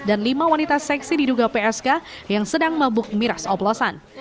dan lima wanita seksi diduga psk yang sedang mabuk miras oplosan